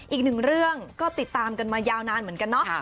อีกหนึ่งเรื่องก็ติดตามกันมายาวนานเหมือนกันเนาะ